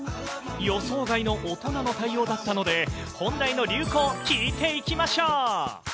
予想外の大人の対応だったので、本題の流行、聞いていきましょう。